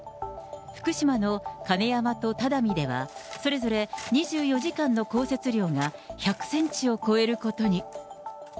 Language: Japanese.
福島の金山と只見では、それぞれ２４時間の降雪量が１００センチを超えることに。